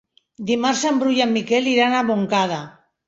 Dimarts en Bru i en Miquel iran a Montcada.